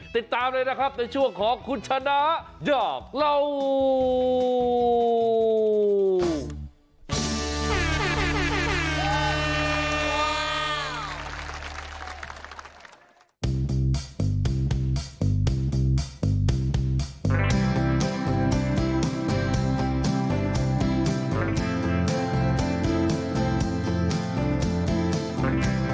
ติดตามเลยนะครับในช่วงของคุณชนะอยากเล่า